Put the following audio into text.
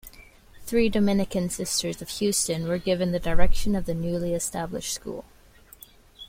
Three Dominican Sisters of Houston were given the direction of the newly established school.